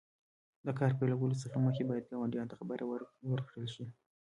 د کار پیلولو څخه مخکې باید ګاونډیانو ته خبر ورکړل شي.